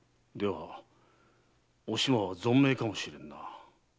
ではお島は存命かもしれんな。